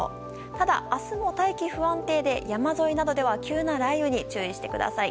ただ、明日も大気不安定で山沿いなどでは急な雷雨に注意してください。